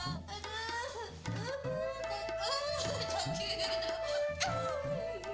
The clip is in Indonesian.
oh minta tolong bukain